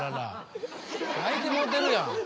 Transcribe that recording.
泣いてもうてるやん。